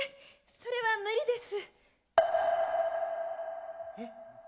それは無理です。え？